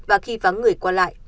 và khi vắng người qua lại